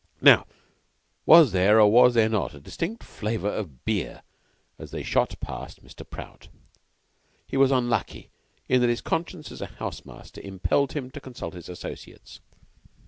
Now was there or was there not a distinct flavor of beer as they shot past Mr. Prout? He was unlucky in that his conscience as a house master impelled him to consult his associates.